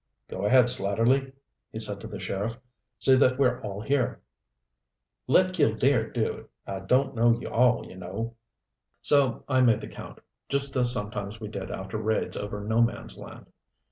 "Go ahead, Slatterly," he said to the sheriff, "See that we're all here." "Let Killdare do it. I don't know you all, you know " So I made the count, just as sometimes we did after raids over No Man's Land.